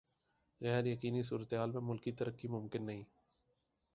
غیر یقینی صورتحال میں ملکی ترقی ممکن نہیں۔